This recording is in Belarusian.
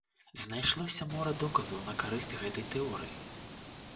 Знайшлося мора доказаў на карысць гэтай тэорыі.